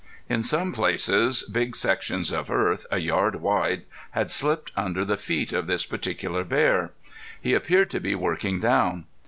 In some places big sections of earth, a yard wide had slipped under the feet of this particular bear. He appeared to be working down.